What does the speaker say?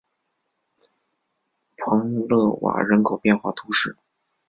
蓬勒瓦人口变化图示